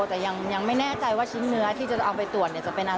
แต่ยังไม่แน่ใจว่าชิ้นเนื้อที่จะเอาไปตรวจจะเป็นอะไร